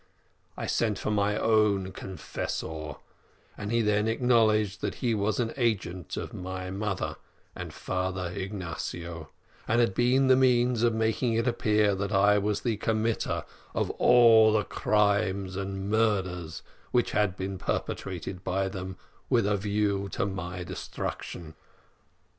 I sent for my own confessor, and he then acknowledged that he was an agent of my mother and Father Ignatio, and had been the means of making it appear that I was the committer of all the crimes and murders which had been perpetrated by them, with a view to my destruction.